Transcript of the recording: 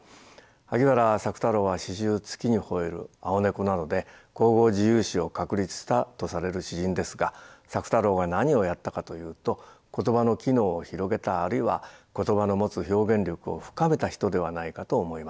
萩原朔太郎は詩集「月に吠える」「青猫」などで口語自由詩を確立したとされる詩人ですが朔太郎が何をやったかというと言葉の機能を広げたあるいは言葉の持つ表現力を深めた人ではないかと思います。